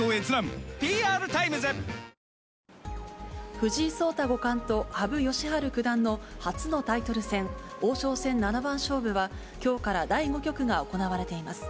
藤井聡太五冠と羽生善治九段の初のタイトル戦、王将戦七番勝負はきょうから第５局が行われています。